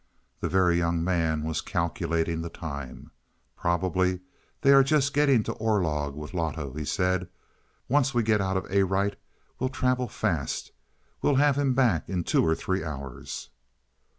The Very Young Man was calculating the time. "Probably they are just getting to Orlog with Loto," he said. "Once we get out of Arite we'll travel fast; we'll have him back in two or three hours."